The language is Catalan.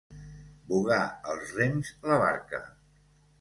Vogar els rems, la barca.